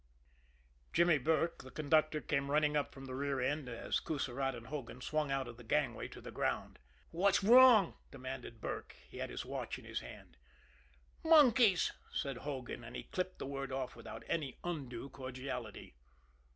Jimmie Burke, the conductor, came running up from the rear end, as Coussirat and Hogan swung out of the gangway to the ground. "What's wrong?" demanded Burke he had his watch in his hand. "Monkeys," said Hogan, and he clipped the word off without any undue cordiality.